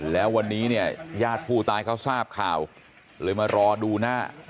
แล้ววันนี้เนี่ยญาติผู้ตายเขาทราบข่าวเลยมารอดูหน้า